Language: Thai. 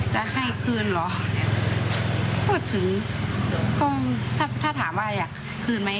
จะให้คืนหรอคือก็ถือถ้าถามว่าอยากถือคือไหม